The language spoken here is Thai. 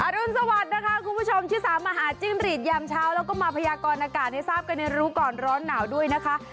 รุนสวัสดิ์นะคะคุณผู้ชมที่สามารถหาจิ้งหรีดยามเช้าแล้วก็มาพยากรอากาศให้ทราบกันในรู้ก่อนร้อนหนาวด้วยนะคะ